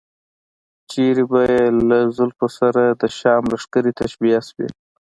چېرته به چې له زلفو سره د شام لښکرې تشبیه شوې.